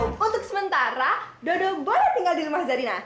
untuk sementara dodo boleh tinggal di rumah zarina